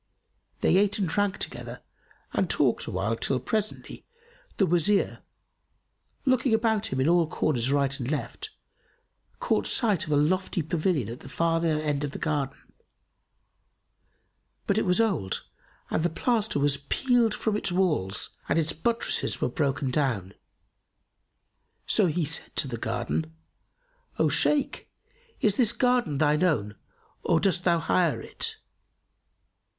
They ate and drank together and talked awhile, till, presently, the Wazir, looking about him in all corners right and left, caught sight of a lofty pavilion at the farther end of the garden; but it was old and the plaster was peeled from its walls and its buttresses were broken down. So he said to the Gardener, "O Shaykh, is this garden thine own or dost thou hire it?"